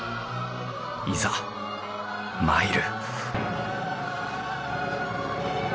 いざ参る